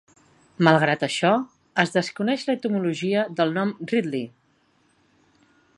Malgrat això, es desconeix l'etimologia del nom "ridley".